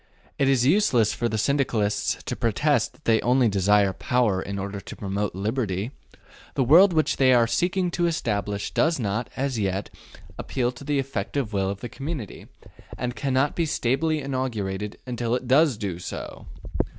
It is useless for the Syndicalists to protest that they only desire power in order to promote liberty: the world which they are seeking to establish does not, as yet, appeal to the effective will of the community, and cannot be stably inaugurated until it does do so.